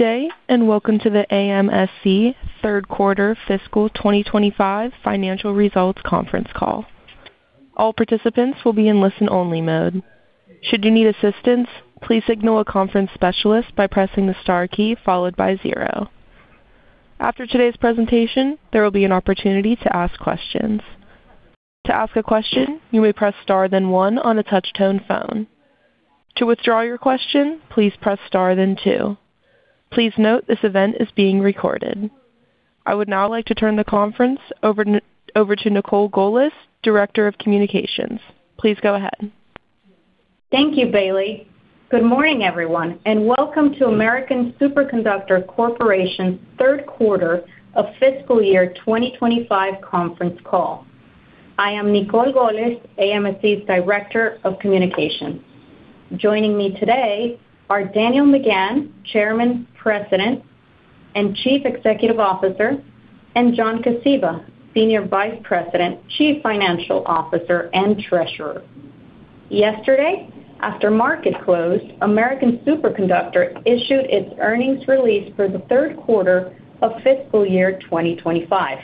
Good day, and welcome to the AMSC Q3 FY 2025 financial results conference call. All participants will be in listen-only mode. Should you need assistance, please signal a conference specialist by pressing the star key followed by zero. After today's presentation, there will be an opportunity to ask questions. To ask a question, you may press star, then one on a touch-tone phone. To withdraw your question, please press star, then two. Please note, this event is being recorded. I would now like to turn the conference over to Nicol Golez, Director of Communications. Please go ahead. Thank you, Bailey. Good morning, everyone, and welcome to American Superconductor Corporation's Q3 of FY 2025 conference call. I am Nicol Golez, AMSC's Director of Communications. Joining me today are Daniel McGahn, Chairman, President, and Chief Executive Officer, and John Kosiba, Senior Vice President, Chief Financial Officer, and Treasurer. Yesterday, after market close, American Superconductor issued its earnings release for the Q3 of FY 2025.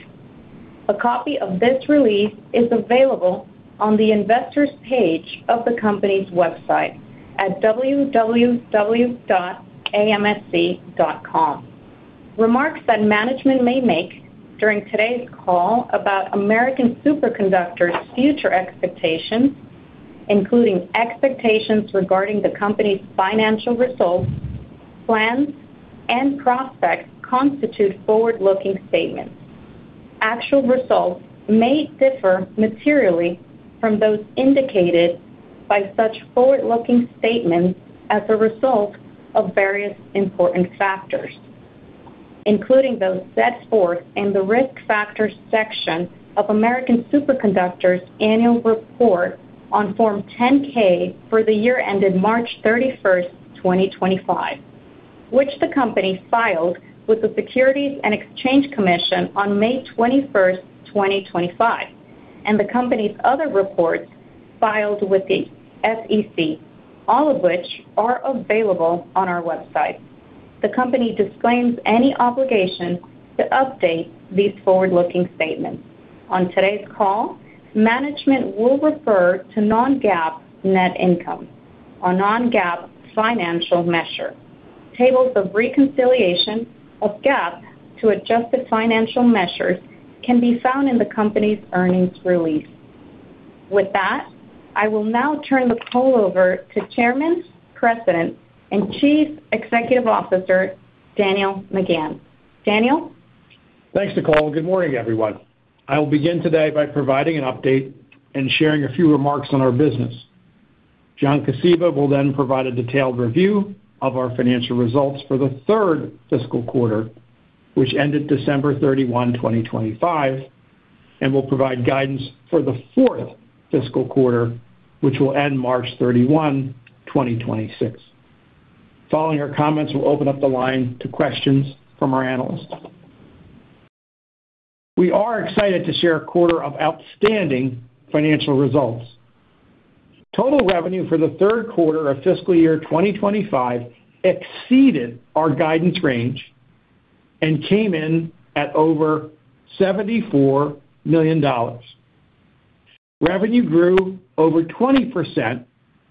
A copy of this release is available on the Investors page of the company's website at www.amsc.com. Remarks that management may make during today's call about American Superconductor's future expectations, including expectations regarding the company's financial results, plans, and prospects, constitute forward-looking statements. Actual results may differ materially from those indicated by such forward-looking statements as a result of various important factors, including those set forth in the Risk Factors section of American Superconductor's Annual Report on Form 10-K for the year ended March 31, 2025, which the company filed with the Securities and Exchange Commission on May 21, 2025, and the company's other reports filed with the SEC, all of which are available on our website. The company disclaims any obligation to update these forward-looking statements. On today's call, management will refer to non-GAAP net income, a non-GAAP financial measure. Tables of reconciliation of GAAP to adjusted financial measures can be found in the company's earnings release. With that, I will now turn the call over to Chairman, President, and Chief Executive Officer, Daniel McGahn. Daniel? Thanks, Nicol. Good morning, everyone. I will begin today by providing an update and sharing a few remarks on our business. John Kosiba will then provide a detailed review of our financial results for the Q3, which ended December 31, 2025, and will provide guidance for the Q4, which will end March 31, 2026. Following our comments, we'll open up the line to questions from our analysts. We are excited to share a quarter of outstanding financial results. Total revenue for the Q3 of FY 2025 exceeded our guidance range and came in at over $74 million. Revenue grew over 20%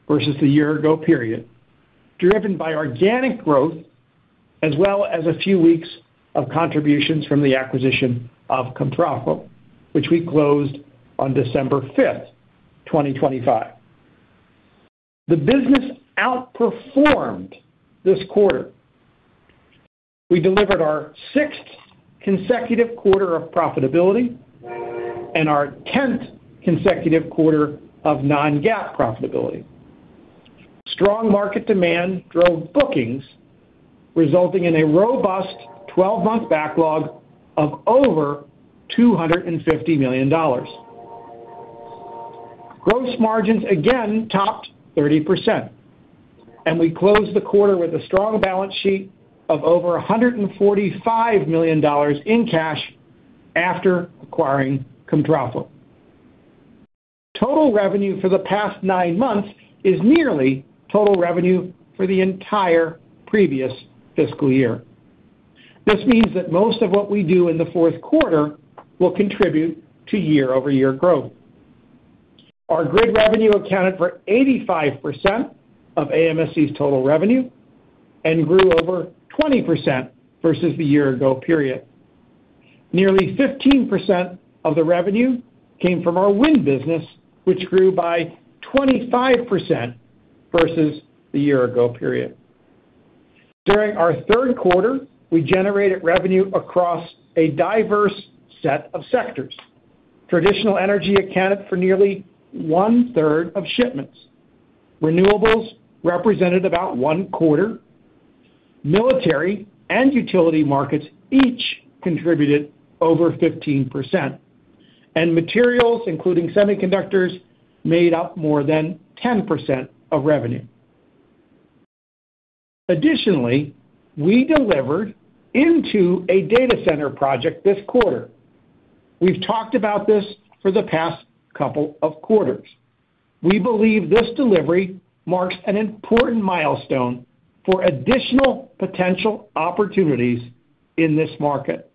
versus the year-ago period, driven by organic growth, as well as a few weeks of contributions from the acquisition of Comtrafo, which we closed on December 5, 2025. The business outperformed this quarter. We delivered our sixth consecutive quarter of profitability and our tenth consecutive quarter of non-GAAP profitability. Strong market demand drove bookings, resulting in a robust 12-month backlog of over $250 million. Gross margins again topped 30%, and we closed the quarter with a strong balance sheet of over $145 million in cash after acquiring Comtrafo. Total revenue for the past nine months is nearly total revenue for the entire previous FY. This means that most of what we do in the Q4 will contribute to year-over-year growth. Our grid revenue accounted for 85% of AMSC's total revenue and grew over 20% versus the year-ago period. Nearly 15% of the revenue came from our wind business, which grew by 25% versus the year-ago period. During our Q3, we generated revenue across a diverse set of sectors. Traditional energy accounted for nearly one-third of shipments. Renewables represented about one-quarter. Military and utility markets each contributed over 15%, and materials, including semiconductors, made up more than 10% of revenue. Additionally, we delivered into a data center project this quarter. We've talked about this for the past couple of quarters. We believe this delivery marks an important milestone for additional potential opportunities in this market.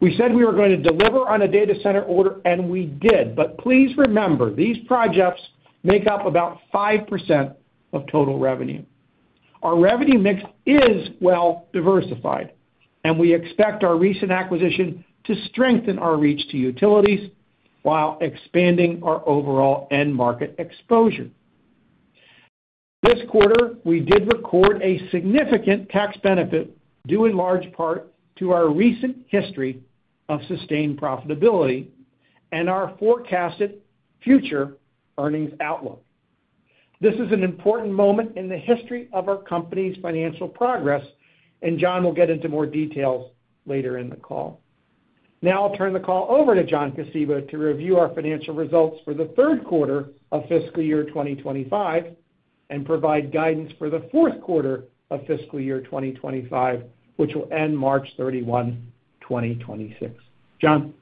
We said we were going to deliver on a data center order, and we did. But please remember, these projects make up about 5% of total revenue. Our revenue mix is well diversified, and we expect our recent acquisition to strengthen our reach to utilities while expanding our overall end market exposure. This quarter, we did record a significant tax benefit, due in large part to our recent history of sustained profitability and our forecasted future earnings outlook. This is an important moment in the history of our company's financial progress, and John will get into more details later in the call. Now I'll turn the call over to John Kosiba to review our financial results for the Q3 of FY 2025, and provide guidance for the Q4 of FY 2025, which will end March 31, 2026. John?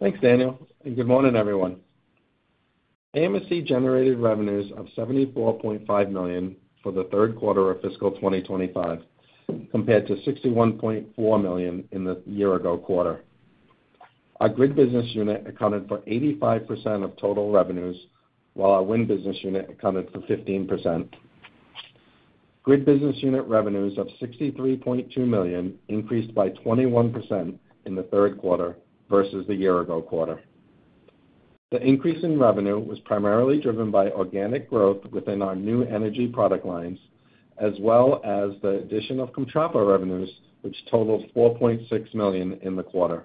Thanks, Daniel, and good morning, everyone. AMSC generated revenues of $74.5 million for the Q3 of FY 2025, compared to $61.4 million in the year-ago quarter. Our Grid business unit accounted for 85% of total revenues, while our Wind business unit accounted for 15%. Grid business unit revenues of $63.2 million increased by 21% in the Q3 versus the year-ago quarter. The increase in revenue was primarily driven by organic growth within our new energy product lines, as well as the addition of Comtrafo revenues, which totaled $4.6 million in the quarter.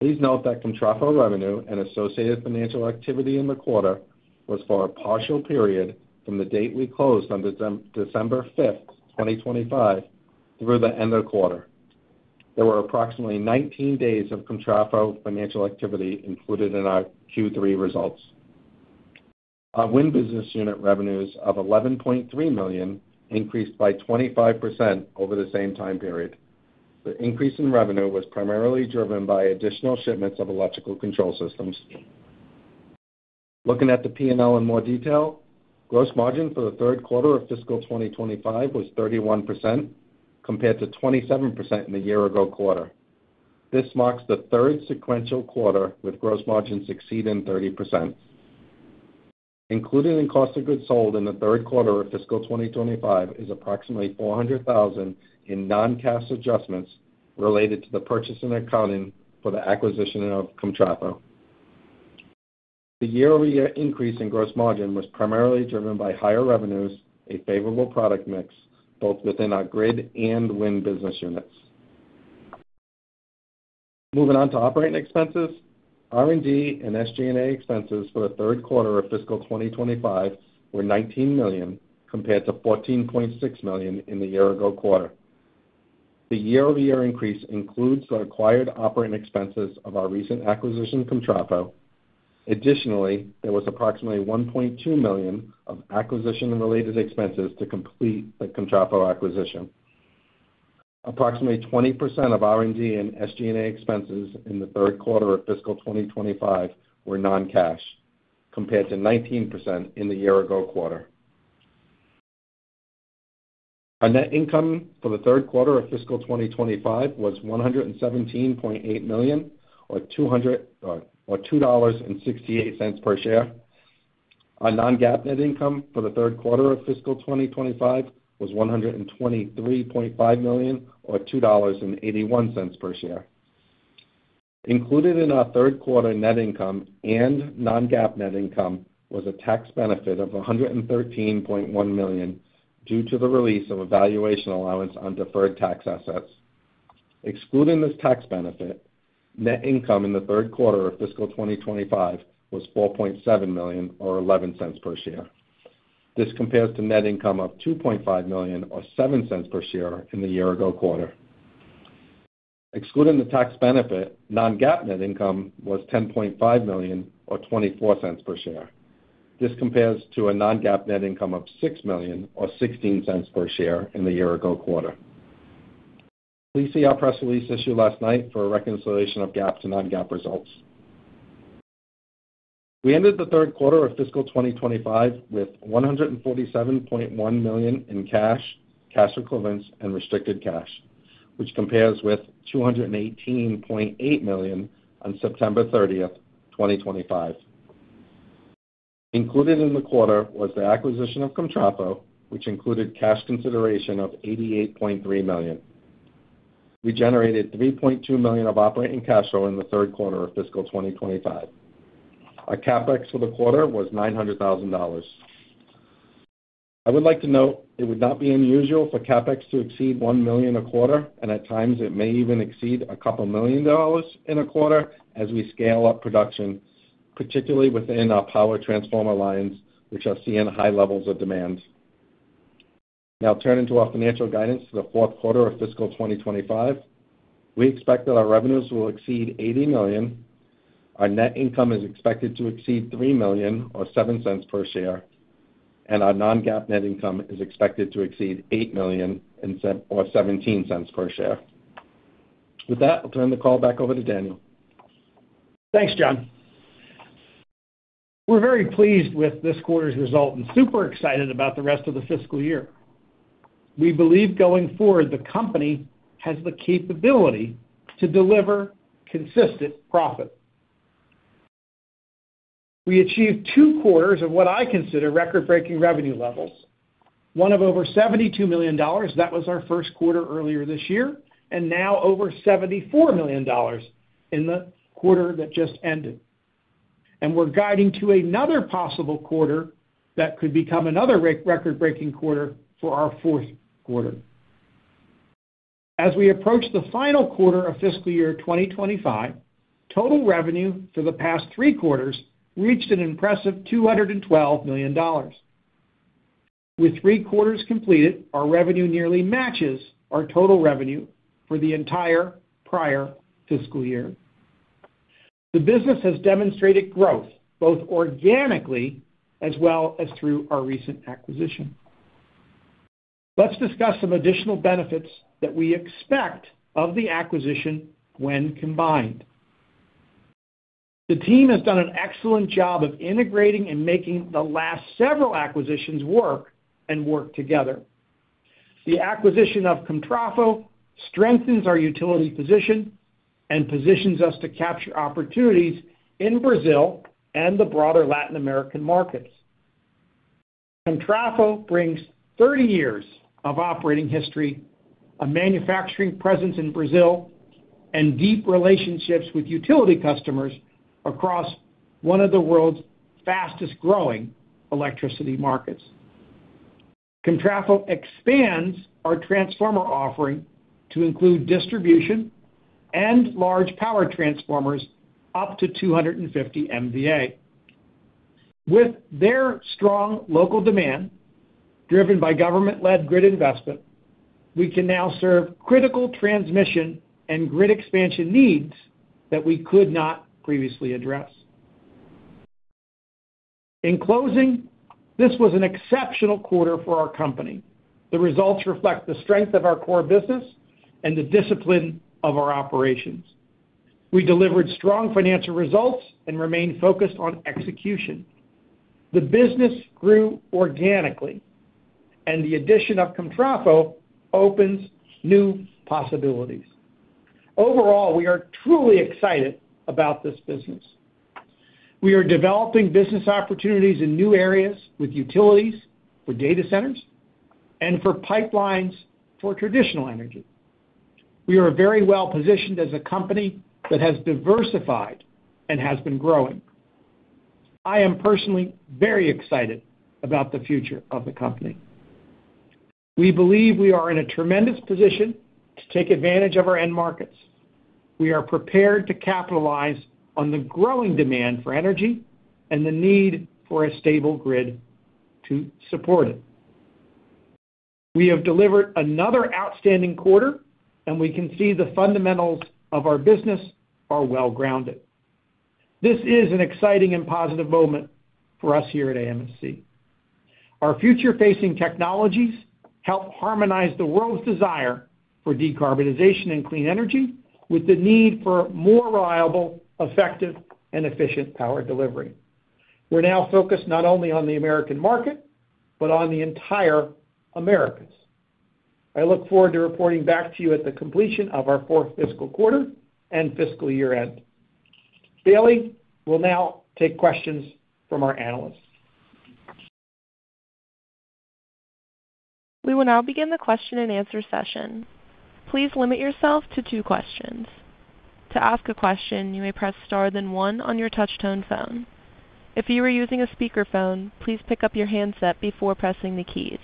Please note that Comtrafo revenue and associated financial activity in the quarter was for a partial period from the date we closed on December 5, 2025, through the end of the quarter. There were approximately 19 days of Comtrafo financial activity included in our Q3 results. Our Wind business unit revenues of $11.3 million increased by 25% over the same time period. The increase in revenue was primarily driven by additional shipments of electrical control systems. Looking at the P&L in more detail, gross margin for the Q3 of FY 2025 was 31%, compared to 27% in the year-ago quarter. This marks the third sequential quarter, with gross margins exceeding 30%. Included in cost of goods sold in the Q3 of FY 2025 is approximately $400,000 in non-cash adjustments related to the purchase and accounting for the acquisition of Comtrafo. The year-over-year increase in gross margin was primarily driven by higher revenues, a favorable product mix, both within our Grid and Wind business units. Moving on to operating expenses. R&D and SG&A expenses for the Q3 of FY 2025 were $19 million, compared to $14.6 million in the year-ago quarter. The year-over-year increase includes the acquired operating expenses of our recent acquisition, Comtrafo. Additionally, there was approximately $1.2 million of acquisition and related expenses to complete the Comtrafo acquisition. Approximately 20% of R&D and SG&A expenses in the Q3 of FY 2025 were non-cash, compared to 19% in the year-ago quarter. Our net income for the Q3 of FY 2025 was $117.8 million, or $2.68 per share. Our non-GAAP net income for the Q3 of FY 2025 was $123.5 million, or $2.81 per share. Included in our Q3 net income and non-GAAP net income was a tax benefit of $113.1 million, due to the release of a valuation allowance on deferred tax assets. Excluding this tax benefit, net income in the Q3 of FY 2025 was $4.7 million, or $0.11 per share. This compares to net income of $2.5 million, or $0.07 per share in the year-ago quarter. Excluding the tax benefit, non-GAAP net income was $10.5 million, or $0.24 per share. This compares to a non-GAAP net income of $6 million, or $0.16 per share in the year-ago quarter. Please see our press release issued last night for a reconciliation of GAAP to non-GAAP results. We ended the Q3 of FY 2025 with $147.1 million in cash, cash equivalents, and restricted cash, which compares with $218.8 million on September 30, 2025. Included in the quarter was the acquisition of Comtrafo, which included cash consideration of $88.3 million. We generated $3.2 million of operating cash flow in the Q3 of FY 2025. Our CapEx for the quarter was $900,000. I would like to note it would not be unusual for CapEx to exceed $1 million a quarter, and at times, it may even exceed a couple million dollars in a quarter as we scale up production, particularly within our power transformer lines, which are seeing high levels of demand. Now turning to our financial guidance for the Q4 of FY 2025. We expect that our revenues will exceed $80 million. Our net income is expected to exceed $3 million, or $0.07 per share, and our non-GAAP net income is expected to exceed $8 million, or $0.17 per share. With that, I'll turn the call back over to Daniel. Thanks, John. We're very pleased with this quarter's result and super excited about the rest of the FY. We believe going forward, the company has the capability to deliver consistent profit. We achieved two quarters of what I consider record-breaking revenue levels, one of over $72 million. That was our Q1 earlier this year, and now over $74 million in the quarter that just ended. We're guiding to another possible quarter that could become another record-breaking quarter for our Q4. As we approach the final quarter of FY 2025, total revenue for the past three quarters reached an impressive $212 million. With three quarters completed, our revenue nearly matches our total revenue for the entire prior FY. The business has demonstrated growth, both organically as well as through our recent acquisition. Let's discuss some additional benefits that we expect of the acquisition when combined. The team has done an excellent job of integrating and making the last several acquisitions work and work together. The acquisition of Comtrafo strengthens our utility position and positions us to capture opportunities in Brazil and the broader Latin American markets. Comtrafo brings 30 years of operating history, a manufacturing presence in Brazil, and deep relationships with utility customers across one of the world's fastest-growing electricity markets. Comtrafo expands our transformer offering to include distribution and large power transformers up to 250 MVA. With their strong local demand, driven by government-led grid investment, we can now serve critical transmission and grid expansion needs that we could not previously address. In closing, this was an exceptional quarter for our company. The results reflect the strength of our core business and the discipline of our operations. We delivered strong financial results and remained focused on execution. The business grew organically, and the addition of Comtrafo opens new possibilities. Overall, we are truly excited about this business. We are developing business opportunities in new areas with utilities, for data centers, and for pipelines for traditional energy. We are very well-positioned as a company that has diversified and has been growing. I am personally very excited about the future of the company. We believe we are in a tremendous position to take advantage of our end markets. We are prepared to capitalize on the growing demand for energy and the need for a stable grid to support it. We have delivered another outstanding quarter, and we can see the fundamentals of our business are well-grounded. This is an exciting and positive moment for us here at AMSC. Our future-facing technologies help harmonize the world's desire for decarbonization and clean energy, with the need for more reliable, effective, and efficient power delivery. We're now focused not only on the American market, but on the entire Americas. I look forward to reporting back to you at the completion of our Q4 and fiscal year-end. Bailey will now take questions from our analysts. We will now begin the question-and-answer session. Please limit yourself to two questions. To ask a question, you may press star, then one on your touch-tone phone. If you are using a speakerphone, please pick up your handset before pressing the keys.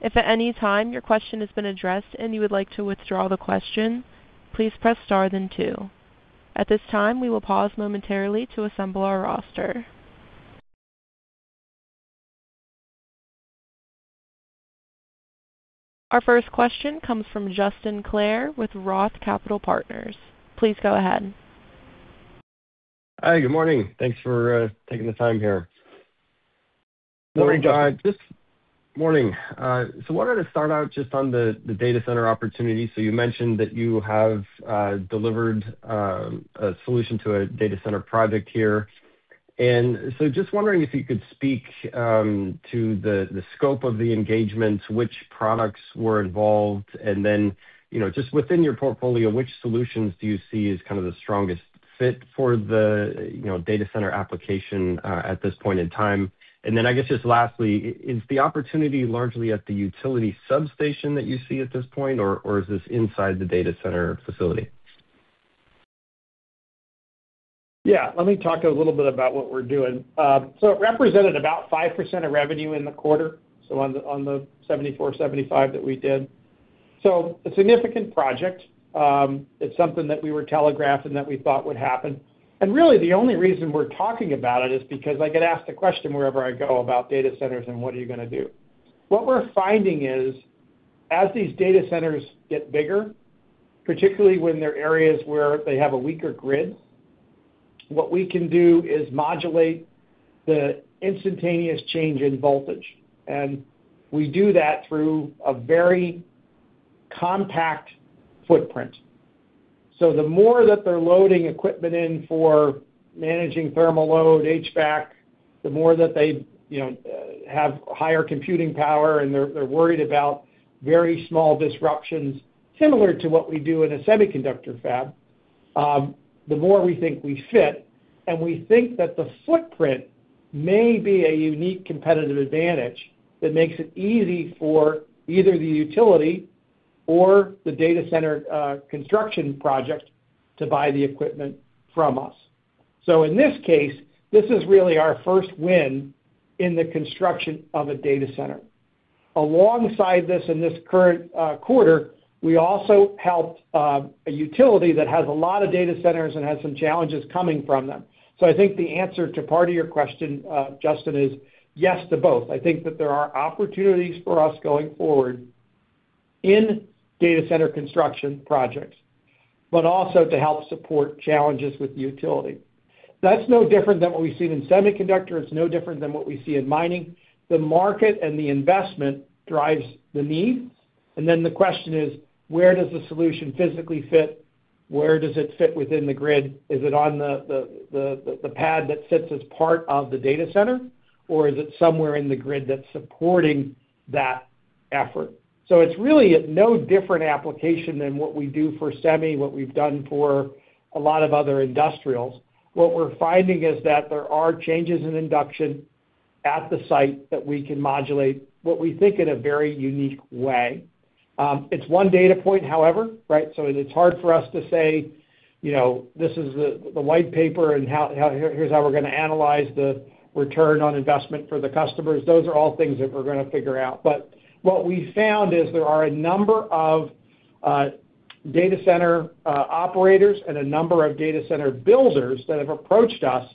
If at any time your question has been addressed and you would like to withdraw the question, please press star, then two. At this time, we will pause momentarily to assemble our roster. Our first question comes from Justin Clare with ROTH Capital Partners. Please go ahead. Hi, good morning. Thanks for taking the time here. Good morning, Justin. Morning. So wanted to start out just on the data center opportunity. So you mentioned that you have delivered a solution to a data center project here. And so just wondering if you could speak to the scope of the engagement, which products were involved, and then, you know, just within your portfolio, which solutions do you see as kind of the strongest fit for the, you know, data center application at this point in time? And then, I guess, just lastly, is the opportunity largely at the utility substation that you see at this point, or is this inside the data center facility? Yeah, let me talk a little bit about what we're doing. So it represented about 5% of revenue in the quarter, so on the 74-75 that we did. So a significant project. It's something that we were telegraphing that we thought would happen. And really, the only reason we're talking about it is because I get asked the question wherever I go about data centers, and what are you gonna do? What we're finding is, as these data centers get bigger, particularly when they're in areas where they have a weaker grid, what we can do is modulate the instantaneous change in voltage, and we do that through a very compact footprint. So the more that they're loading equipment in for managing thermal load, HVAC, the more that they, you know, have higher computing power, and they're worried about very small disruptions, similar to what we do in a semiconductor fab, the more we think we fit, and we think that the footprint may be a unique competitive advantage that makes it easy for either the utility or the data center construction project to buy the equipment from us. So in this case, this is really our first win in the construction of a data center. Alongside this, in this current quarter, we also helped a utility that has a lot of data centers and has some challenges coming from them. So I think the answer to part of your question, Justin, is yes to both. I think that there are opportunities for us going forward in data center construction projects, but also to help support challenges with utility. That's no different than what we've seen in semiconductor. It's no different than what we see in mining. The market and the investment drives the need, and then the question is: where does the solution physically fit? Where does it fit within the grid? Is it on the pad that sits as part of the data center, or is it somewhere in the grid that's supporting that effort? So it's really no different application than what we do for semi, what we've done for a lot of other industrials. What we're finding is that there are changes in induction at the site that we can modulate, what we think, in a very unique way. It's one data point, however, right? So it's hard for us to say, you know, this is the white paper, and how, here's how we're gonna analyze the return on investment for the customers. Those are all things that we're gonna figure out. But what we found is there are a number of data center operators and a number of data center builders that have approached us,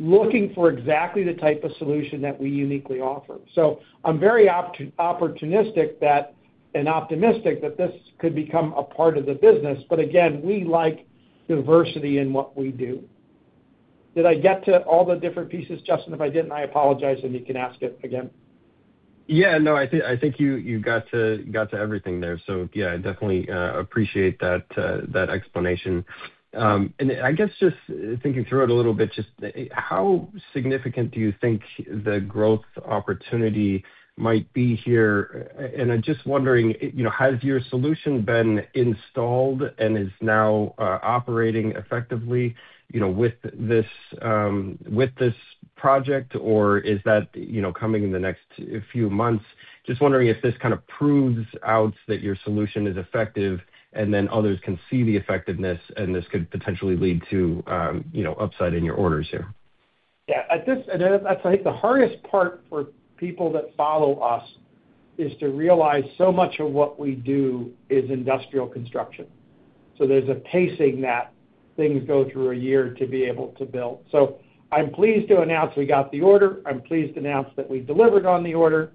looking for exactly the type of solution that we uniquely offer. So I'm very opportunistic that, and optimistic that this could become a part of the business. But again, we like diversity in what we do. Did I get to all the different pieces, Justin? If I didn't, I apologize, and you can ask it again. Yeah. No, I think you got it, everything there. So yeah, I definitely appreciate that explanation. And I guess, just thinking through it a little bit, just how significant do you think the growth opportunity might be here? And I'm just wondering, you know, has your solution been installed and is now operating effectively, you know, with this project, or is that, you know, coming in the next few months? Just wondering if this kind of proves out that your solution is effective, and then others can see the effectiveness, and this could potentially lead to, you know, upside in your orders here. Yeah, at this, and I think the hardest part for people that follow us is to realize so much of what we do is industrial construction. So there's a pacing that things go through a year to be able to build. So I'm pleased to announce we got the order. I'm pleased to announce that we delivered on the order,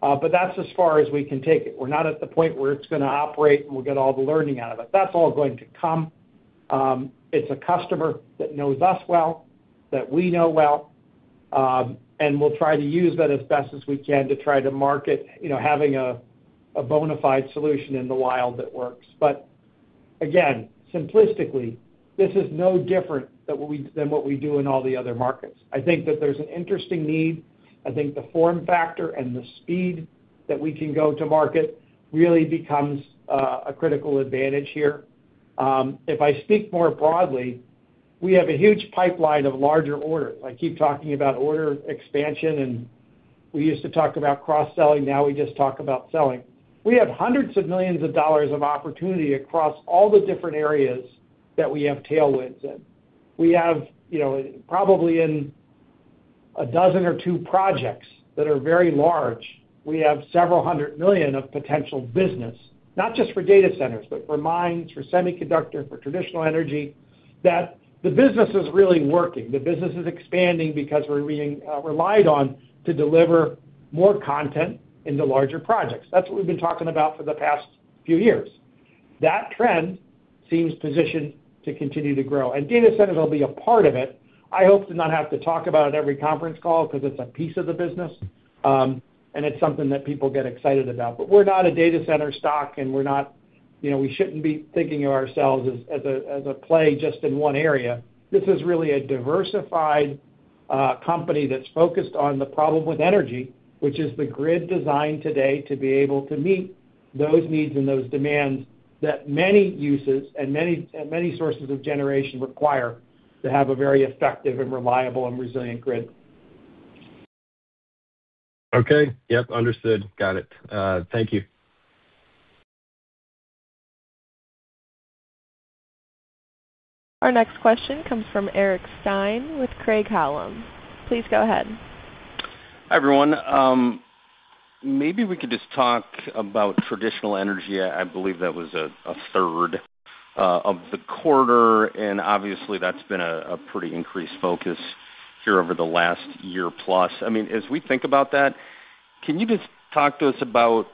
but that's as far as we can take it. We're not at the point where it's gonna operate, and we'll get all the learning out of it. That's all going to come. It's a customer that knows us well, that we know well, and we'll try to use that as best as we can to try to market, you know, having a bona fide solution in the wild that works. But again, simplistically, this is no different than what we, than what we do in all the other markets. I think that there's an interesting need. I think the form factor and the speed that we can go to market really becomes a critical advantage here. If I speak more broadly, we have a huge pipeline of larger orders. I keep talking about order expansion, and we used to talk about cross-selling. Now we just talk about selling. We have hundreds of millions dollars of opportunity across all the different areas that we have tailwinds in. We have, you know, probably in a dozen or two projects that are very large, we have $several hundred million of potential business, not just for data centers, but for mines, for semiconductor, for traditional energy, that the business is really working. The business is expanding because we're being relied on to deliver more content into larger projects. That's what we've been talking about for the past few years. That trend seems positioned to continue to grow, and data centers will be a part of it. I hope to not have to talk about it every conference call because it's a piece of the business, and it's something that people get excited about. But we're not a data center stock, and we're not—you know, we shouldn't be thinking of ourselves as, as a, as a play just in one area. This is really a diversified company that's focused on the problem with energy, which is the grid design today, to be able to meet those needs and those demands that many uses and many sources of generation require to have a very effective, and reliable, and resilient grid. Okay. Yep, understood. Got it. Thank you. Our next question comes from Eric Stine with Craig-Hallum. Please go ahead. Hi, everyone. Maybe we could just talk about traditional energy. I believe that was a Q3, and obviously, that's been a pretty increased focus here over the last year plus. I mean, as we think about that, can you just talk to us about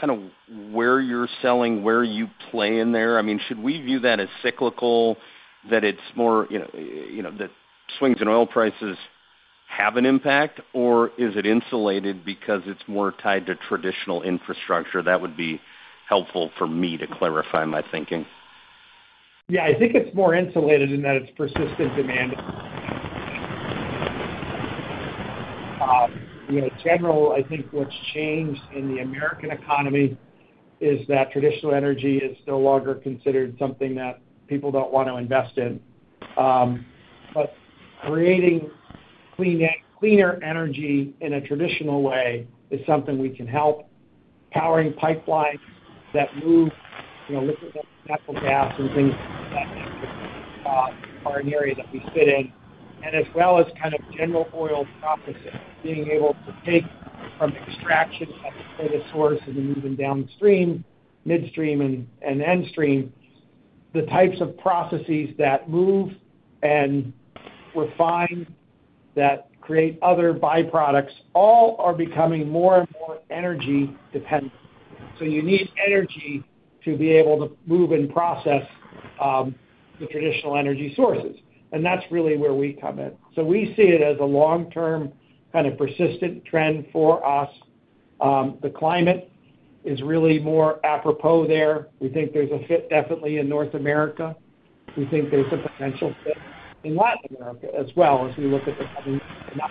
kind of where you're selling, where you play in there? I mean, should we view that as cyclical, that it's more, you know, that swings in oil prices have an impact, or is it insulated because it's more tied to traditional infrastructure? That would be helpful for me to clarify my thinking. Yeah, I think it's more insulated in that it's persistent demand. You know, general, I think what's changed in the American economy is that traditional energy is no longer considered something that people don't want to invest in. But creating cleaner energy in a traditional way is something we can help. Powering pipelines that move, you know, liquid natural gas and things like that are an area that we fit in, and as well as kind of general oil processing, being able to take from extraction at the source and then move them downstream, midstream, and end stream. The types of processes that move and refine, that create other byproducts, all are becoming more and more energy dependent. So you need energy to be able to move and process the traditional energy sources, and that's really where we come in. So we see it as a long-term, kind of, persistent trend for us. The climate is really more apropos there. We think there's a fit, definitely in North America. We think there's a potential fit in Latin America as well, as we look at the not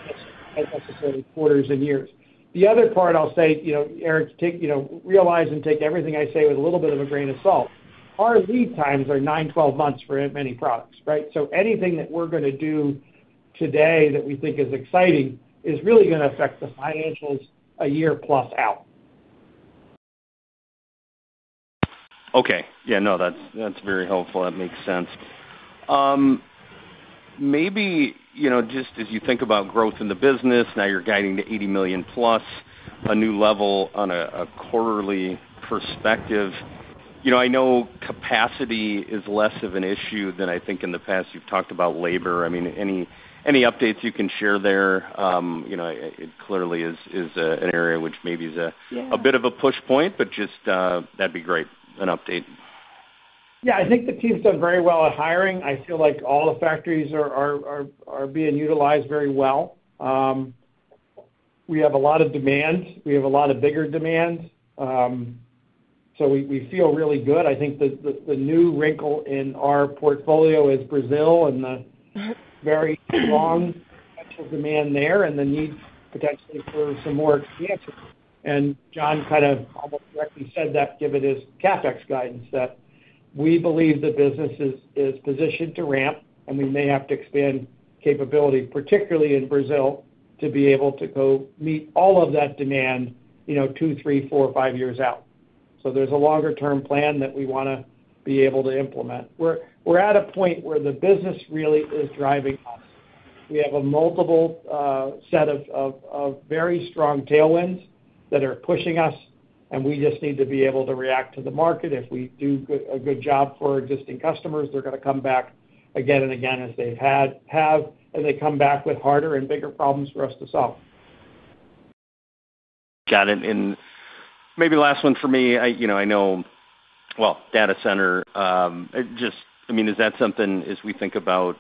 necessarily quarters and years. The other part, I'll say, you know, Eric, take, you know. Realize and take everything I say with a little bit of a grain of salt. Our lead times are nine, 12 months for many products, right? So anything that we're gonna do today that we think is exciting is really gonna affect the financials a year plus out. Okay. Yeah, no, that's very helpful. That makes sense. Maybe, you know, just as you think about growth in the business, now you're guiding to $80 million+, a new level on a quarterly perspective. You know, I know capacity is less of an issue than I think in the past. You've talked about labor. I mean, any updates you can share there? You know, it clearly is an area which maybe is a- Yeah... a bit of a push point, but just, that'd be great, an update. Yeah, I think the team's done very well at hiring. I feel like all the factories are being utilized very well. We have a lot of demand. We have a lot of bigger demand, so we feel really good. I think the new wrinkle in our portfolio is Brazil, and the very strong potential demand there, and the need potentially for some more expansion. And John kind of almost directly said that, given his CapEx guidance, that we believe the business is positioned to ramp, and we may have to expand capability, particularly in Brazil, to be able to go meet all of that demand, you know, two, three, four, five years out. So there's a longer-term plan that we wanna be able to implement. We're at a point where the business really is driving us. We have a multiple set of very strong tailwinds that are pushing us, and we just need to be able to react to the market. If we do a good job for our existing customers, they're gonna come back again and again, as they have, and they come back with harder and bigger problems for us to solve. Got it. And maybe last one for me. I, you know, I know, well, data center, just, I mean, is that something as we think about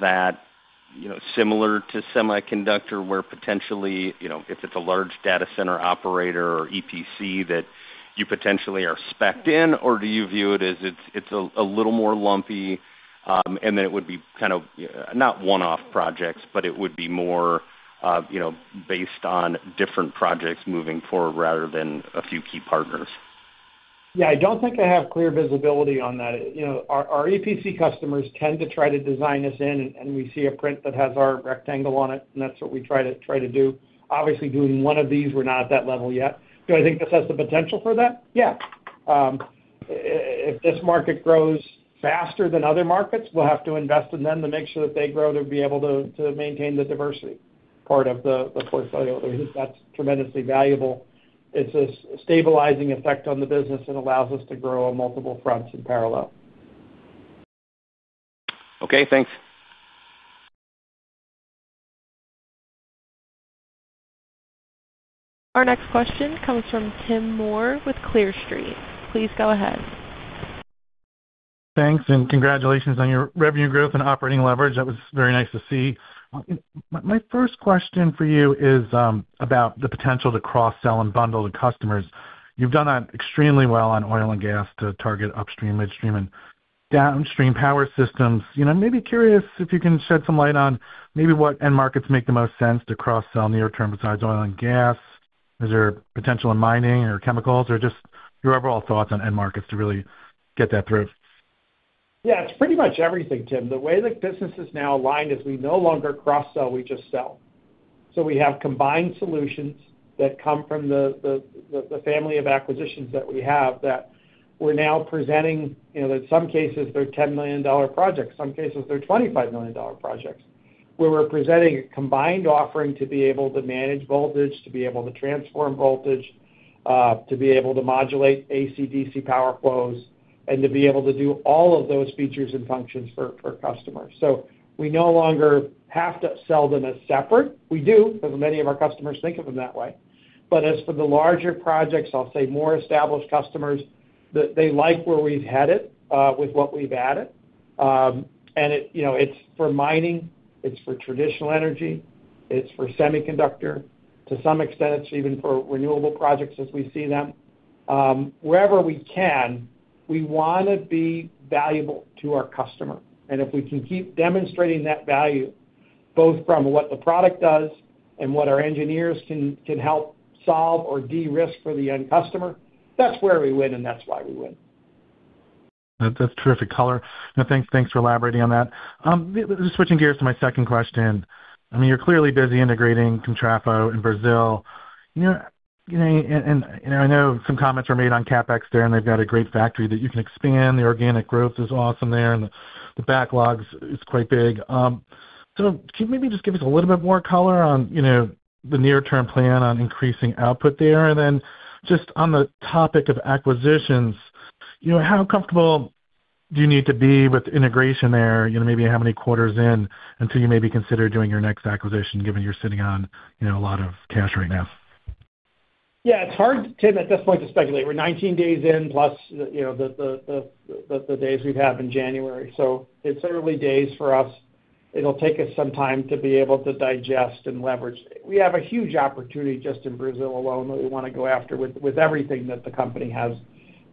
that, you know, similar to semiconductor, where potentially, you know, if it's a large data center operator or EPC, that you potentially are spec'd in, or do you view it as it's, it's a little more lumpy, and then it would be kind of, not one-off projects, but it would be more, you know, based on different projects moving forward rather than a few key partners? Yeah, I don't think I have clear visibility on that. You know, our our EPC customers tend to try to design us in, and we see a print that has our rectangle on it, and that's what we try to, try to do. Obviously, doing one of these, we're not at that level yet. Do I think this has the potential for that? Yeah. If this market grows faster than other markets, we'll have to invest in them to make sure that they grow, to be able to, to maintain the diversity part of the, the portfolio. We think that's tremendously valuable. It's a stabilizing effect on the business and allows us to grow on multiple fronts in parallel. Okay, thanks. Our next question comes from Tim Moore with Clear Street. Please go ahead. Thanks, and congratulations on your revenue growth and operating leverage. That was very nice to see. My first question for you is about the potential to cross-sell and bundle the customers. You've done that extremely well on oil and gas to target upstream, midstream, and downstream power systems. You know, maybe curious if you can shed some light on maybe what end markets make the most sense to cross-sell near term, besides oil and gas. Is there potential in mining or chemicals, or just your overall thoughts on end markets to really get that through? Yeah, it's pretty much everything, Tim. The way the business is now aligned is we no longer cross-sell. We just sell. So we have combined solutions that come from the family of acquisitions that we have, that we're now presenting. You know, in some cases, they're $10 million projects, some cases they're $25 million projects, where we're presenting a combined offering to be able to manage voltage, to be able to transform voltage, to be able to modulate AC, DC power flows, and to be able to do all of those features and functions for customers. So we no longer have to sell them as separate. We do, because many of our customers think of them that way. But as for the larger projects, I'll say more established customers. They like where we've had it, with what we've added. And it, you know, it's for mining, it's for traditional energy, it's for semiconductor. To some extent, it's even for renewable projects as we see them. Wherever we can, we wanna be valuable to our customer. And if we can keep demonstrating that value, both from what the product does and what our engineers can help solve or de-risk for the end customer, that's where we win, and that's why we win. That's terrific color. Now, thanks, thanks for elaborating on that. Just switching gears to my second question. I mean, you're clearly busy integrating Comtrafo in Brazil. You know, and, and I know some comments are made on CapEx there, and they've got a great factory that you can expand. The organic growth is awesome there, and the backlogs is quite big. So, can you maybe just give us a little bit more color on, you know, the near-term plan on increasing output there? And then just on the topic of acquisitions, you know, how comfortable do you need to be with integration there? You know, maybe how many quarters in until you maybe consider doing your next acquisition, given you're sitting on, you know, a lot of cash right now? Yeah, it's hard, Tim, at this point to speculate. We're 19 days in, plus, you know, the days we've had in January, so it's early days for us. It'll take us some time to be able to digest and leverage. We have a huge opportunity just in Brazil alone, that we wanna go after with everything that the company has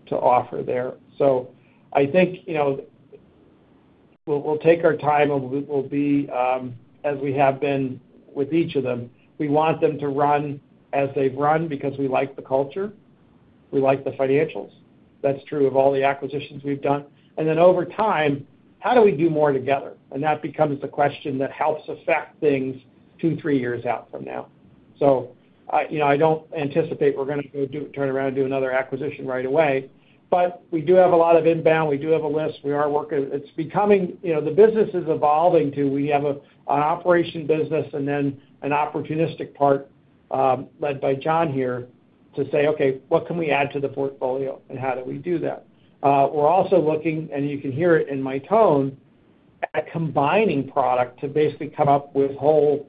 to offer there. So I think, you know, we'll take our time, and we'll be as we have been with each of them. We want them to run as they've run because we like the culture, we like the financials. That's true of all the acquisitions we've done. And then, over time, how do we do more together? And that becomes the question that helps affect things two, three years out from now. So I, you know, I don't anticipate we're gonna do, turn around and do another acquisition right away, but we do have a lot of inbound. We do have a list. We are working. It's becoming, you know, the business is evolving to we have a, an operation business and then an opportunistic part, led by John here, to say, "Okay, what can we add to the portfolio, and how do we do that?" We're also looking, and you can hear it in my tone, at combining product to basically come up with whole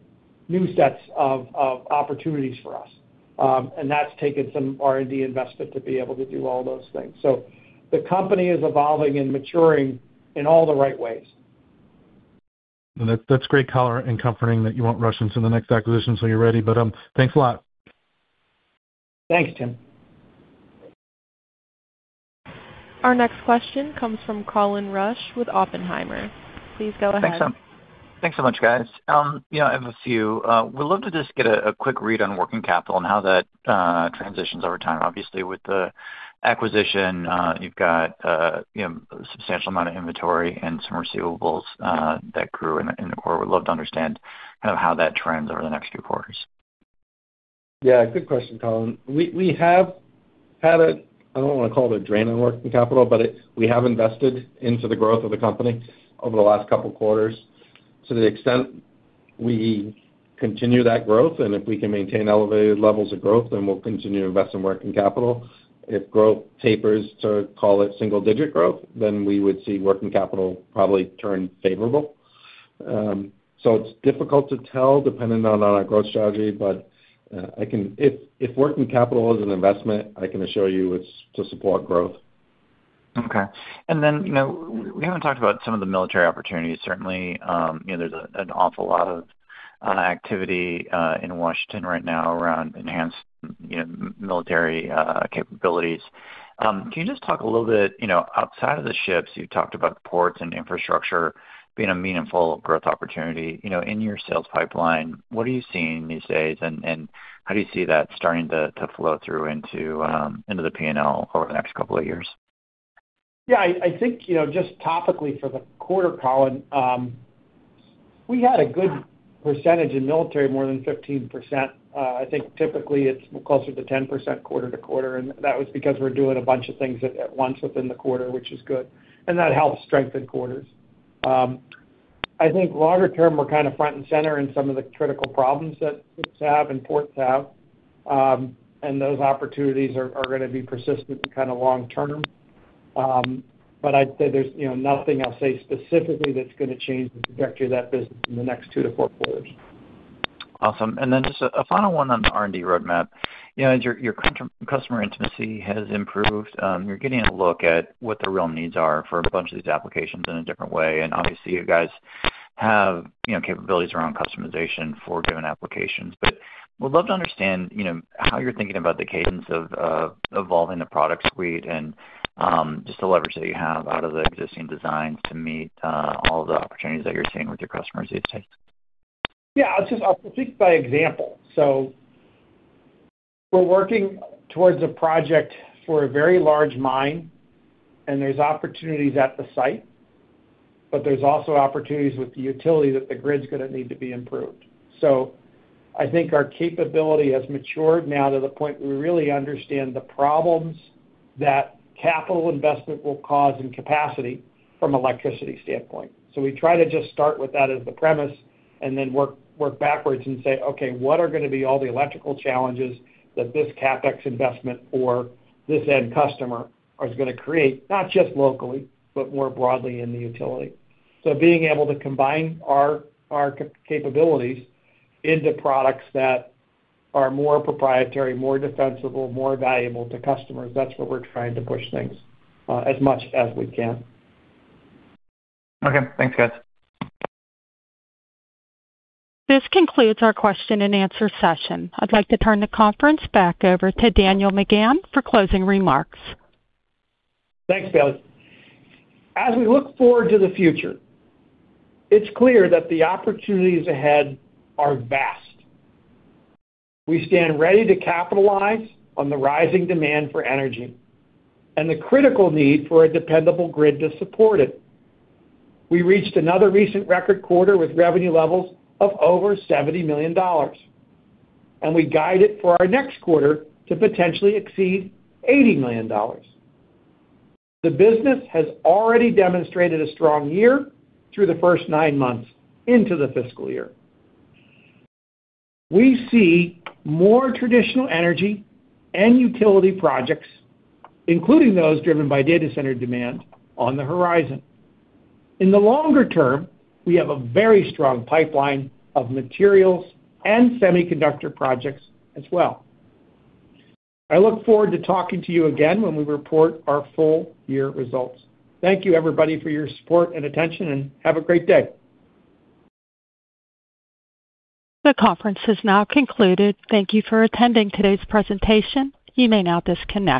new sets of opportunities for us. And that's taken some R&D investment to be able to do all those things. So the company is evolving and maturing in all the right ways. That, that's great color and comforting that you won't rush into the next acquisition, so you're ready. Thanks a lot. Thanks, Tim. Our next question comes from Colin Rusch with Oppenheimer. Please go ahead. Thanks so much, guys. You know, I have a few. Would love to just get a quick read on working capital and how that transitions over time. Obviously, with the acquisition, you've got, you know, a substantial amount of inventory and some receivables that grew, and I would love to understand kind of how that trends over the next few quarters. Yeah, good question, Colin. We have had a... I don't wanna call it a drain on working capital, but it's, we have invested into the growth of the company over the last couple quarters. To the extent we continue that growth, and if we can maintain elevated levels of growth, then we'll continue to invest in working capital. If growth tapers to, call it, single-digit growth, then we would see working capital probably turn favorable. So it's difficult to tell, depending on our growth strategy, but I can... If working capital is an investment, I can assure you it's to support growth. Okay. And then, you know, we haven't talked about some of the military opportunities. Certainly, you know, there's an awful lot of activity in Washington right now around enhanced, you know, military capabilities. Can you just talk a little bit, you know, outside of the ships, you've talked about ports and infrastructure being a meaningful growth opportunity. You know, in your sales pipeline, what are you seeing these days, and how do you see that starting to flow through into the P&L over the next couple of years? Yeah, I think, you know, just topically for the quarter, Colin, we had a good percentage in military, more than 15%. I think typically it's closer to 10% quarter-to-quarter, and that was because we're doing a bunch of things at once within the quarter, which is good, and that helps strengthen quarters. I think longer term, we're kind of front and center in some of the critical problems that ships have, and ports have. And those opportunities are gonna be persistent and kind of long-term. But there's, you know, nothing I'll say specifically that's gonna change the trajectory of that business in the next 2-4 quarters. Awesome. And then just a final one on the R&D roadmap. You know, as your customer intimacy has improved, you're getting a look at what the real needs are for a bunch of these applications in a different way. And obviously, you guys have, you know, capabilities around customization for given applications. But would love to understand, you know, how you're thinking about the cadence of evolving the product suite and just the leverage that you have out of the existing designs to meet all the opportunities that you're seeing with your customers these days. Yeah, I'll just... I'll think by example. So we're working towards a project for a very large mine, and there's opportunities at the site, but there's also opportunities with the utility that the grid's gonna need to be improved. So I think our capability has matured now to the point where we really understand the problems that capital investment will cause in capacity from electricity standpoint. So we try to just start with that as the premise and then work backwards and say, "Okay, what are gonna be all the electrical challenges that this CapEx investment or this end customer is gonna create? Not just locally, but more broadly in the utility." So being able to combine our capabilities into products that are more proprietary, more defensible, more valuable to customers, that's where we're trying to push things as much as we can. Okay. Thanks, guys. This concludes our question-and-answer session. I'd like to turn the conference back over to Daniel McGahn for closing remarks. Thanks, Bailey. As we look forward to the future, it's clear that the opportunities ahead are vast. We stand ready to capitalize on the rising demand for energy and the critical need for a dependable grid to support it. We reached another recent record quarter with revenue levels of over $70 million, and we guided for our next quarter to potentially exceed $80 million. The business has already demonstrated a strong year through the first nine months into the FY. We see more traditional energy and utility projects, including those driven by data center demand, on the horizon. In the longer term, we have a very strong pipeline of materials and semiconductor projects as well. I look forward to talking to you again when we report our full-year results. Thank you, everybody, for your support and attention, and have a great day. The conference is now concluded. Thank you for attending today's presentation. You may now disconnect.